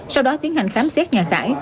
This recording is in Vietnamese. sau đó tiến hành khám xét nhà khải